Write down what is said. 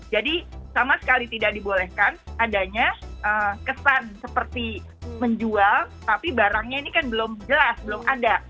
jadi sama sekali tidak dibolehkan adanya kesan seperti menjual tapi barangnya tidak terguna